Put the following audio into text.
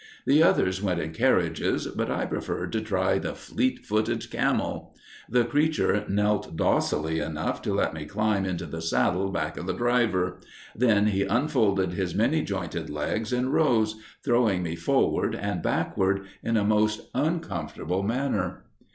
The others went in carriages, but I preferred to try the "fleet footed camel." The creature knelt docilely enough to let me climb into the saddle back of the driver; then he unfolded his many jointed legs and rose, throwing me forward and backward in a most uncomfortable manner.